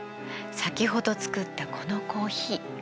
さきほど作ったこのコーヒー。